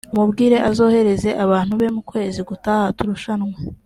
umubwire azohereze abantu be mu kwezi gutaha turushanwe